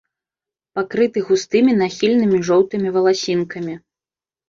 Пакрыты густымі нахільнымі жоўтымі валасінкамі.